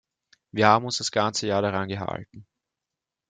Wir haben uns das ganze Jahr daran gehalten.